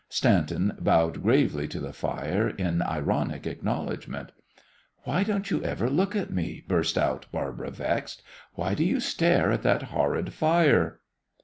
Stanton bowed gravely to the fire in ironic acknowledgment. "Why don't you ever look at me?" burst out Barbara, vexed. "Why do you stare at that horrid fire?"